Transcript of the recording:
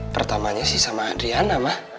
pertamanya sih sama adriana mah